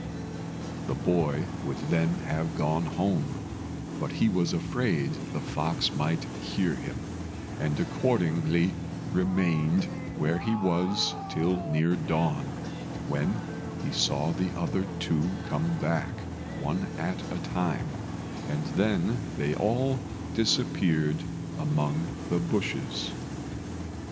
The boy would then have gone home; but he was afraid the fox might hear him, and accordingly remained where he was till near dawn, when he saw the other two come back, one at a time, and then they all disappeared among the bushes.